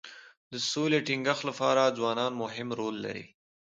د سولي د ټینګښت لپاره ځوانان مهم رول لري.